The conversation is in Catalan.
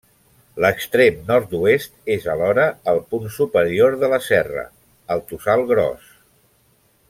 L'extrem nord-oest és, alhora, el punt superior de la serra, al Tossal Gros.